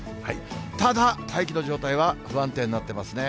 ただ、大気の状態は不安定になっていますね。